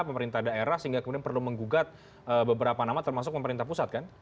pemerintah daerah sehingga kemudian perlu menggugat beberapa nama termasuk pemerintah pusat kan